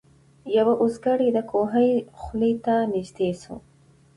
یو اوزګړی د کوهي خولې ته نیژدې سو